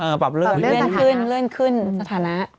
เออปรับเลื่อนสถานะเลื่อนขึ้นเลื่อนขึ้นสถานะ